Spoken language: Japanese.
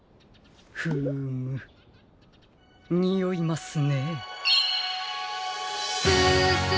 フームにおいますね。